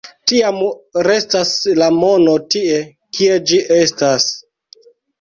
Tiam restas la mono tie, kie ĝi estas.